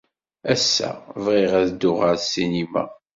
Ass-a, bɣiɣ ad dduɣ ɣer ssinima.